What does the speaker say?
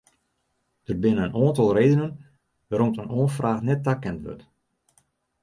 Der binne in oantal redenen wêrom't in oanfraach net takend wurdt.